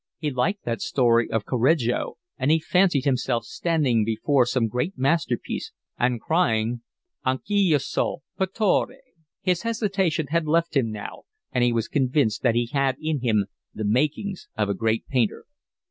He liked that story of Correggio, and he fancied himself standing before some great masterpiece and crying: Anch' io son' pittore. His hesitation had left him now, and he was convinced that he had in him the makings of a great painter.